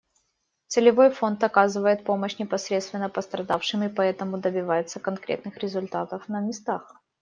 Целевой фонд оказывает помощь непосредственно пострадавшим и поэтому добивается конкретных результатов на местах.